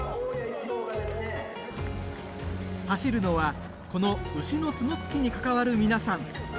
走るのはこの牛の角突きに関わる皆さん。